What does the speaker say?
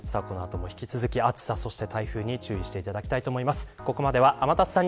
この後も引き続き暑さ、そして台風に注意していただきたいと思います。